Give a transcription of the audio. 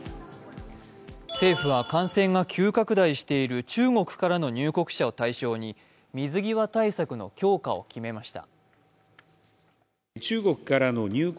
政府は、感染が急拡大している中国からの入国者を対象に水際対策の強化を決めました。